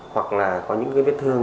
hoặc là có những viết thương